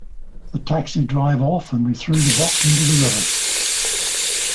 The taxi drive off, and we threw the box into the river.